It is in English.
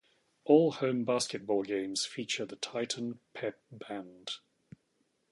All home basketball games feature the Titan Pep Band.